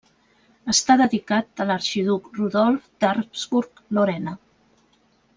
Està dedicat a l'arxiduc Rodolf d'Habsburg-Lorena.